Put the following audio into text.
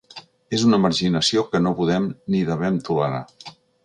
És una marginació que no podem ni devem tolerar.